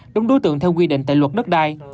đúng đối tượng theo quy định tại luật đất đai